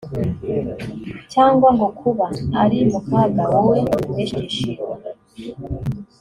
cyangwa ngo kuba ari mu kaga wowe biguheshe ibyishimo